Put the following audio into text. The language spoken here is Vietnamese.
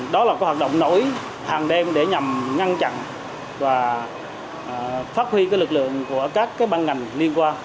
đó là hoạt động nổi hàng đêm để nhằm ngăn chặn và phát huy lực lượng của các băng ngành liên quan